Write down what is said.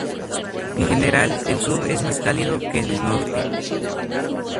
En general el sur es más cálido que el norte.